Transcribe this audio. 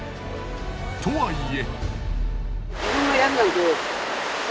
とはいえ。